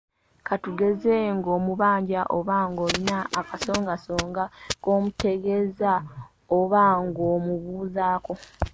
Ka tugeze ng’omubanja oba ng’olina akasongasonga k’omutegeeza oba ng’omubuuzaako.